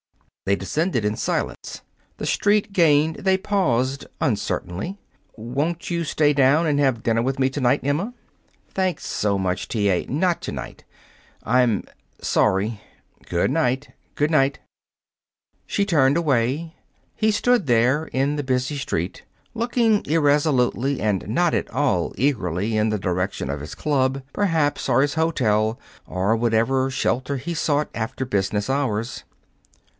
They descended in silence. The street gained, they paused uncertainly. "Won't you stay down and have dinner with me to night, Emma?" "Thanks so much, T. A. Not to night." "I'm sorry." "Good night." "Good night." She turned away. He stood there, in the busy street, looking irresolutely and not at all eagerly in the direction of his club, perhaps, or his hotel, or whatever shelter he sought after business hours.